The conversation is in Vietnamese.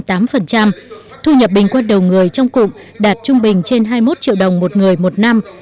thu nhập bình quân đầu người trong cụm đạt trung bình trên hai mươi một triệu đồng một người một năm